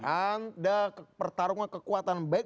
ada pertarungan kekuatan baik